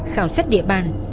khảo sát địa bàn